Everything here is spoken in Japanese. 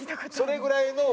それぐらいの噂。